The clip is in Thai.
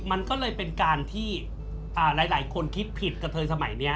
มันก็เลยเป็นการที่หลายคนคิดผิดกับเธอสมัยนี้